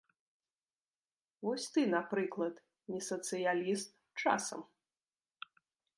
Вось ты, напрыклад, не сацыяліст часам?